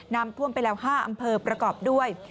ท่วมไปแล้ว๕อำเภอประกอบด้วย